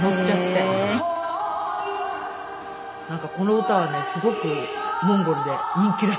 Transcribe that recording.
「恋は」なんかこの歌はねすごくモンゴルで人気らしいです。